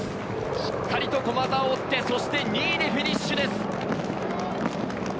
しっかりと駒澤を追って２位でフィニッシュです。